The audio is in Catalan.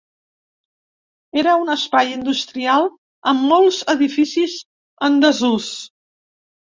Era un espai industrial amb molts edificis en desús.